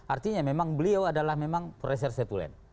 artinya memang beliau adalah memang reserse tulen